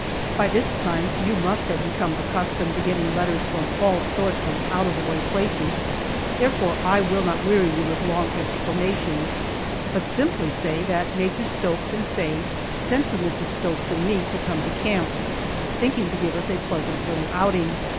BY this time you must have become accustomed to getting letters from all sorts of out of the way places, therefore I will not weary you with long explanations, but simply say that Major Stokes and Faye sent for Mrs. Stokes and me to come to camp, thinking to give us a pleasant little outing.